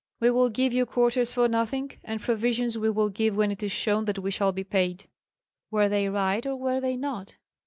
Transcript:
We will give you quarters for nothing, and provisions we will give when it is shown that we shall be paid.'" "Were they right, or were they not?"